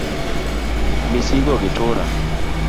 Mizigo gi tura